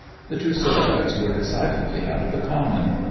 The two silhouettes were decidedly out of the common.